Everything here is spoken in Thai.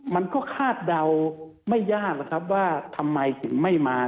มันก็คาดเดาไม่ยากนะครับว่าทำไมถึงไม่มา